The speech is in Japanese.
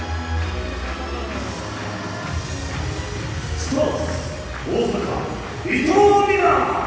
スターツ、大阪、伊藤美誠。